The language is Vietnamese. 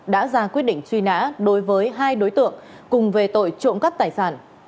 đã ra quyết định truy nã đối với hai đối tượng cùng về tội trộm cắp tài sản